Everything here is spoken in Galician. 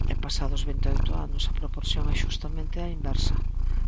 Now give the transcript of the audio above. E, pasados vinte e oito anos, a proporción é xustamente á inversa.